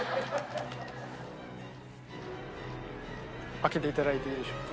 開けていただいていいでしょうか。